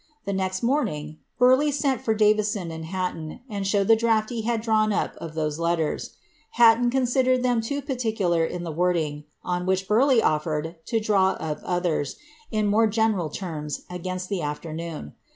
The next morning, Burleigh sent for Davison and Hatton. itrd | showed the draft he had drawn up of those letters. Hatton considrrvd ■ them loo particular in the wording, on which Burleigh offered to dr»" i up others, in more general terms, against the afternoon.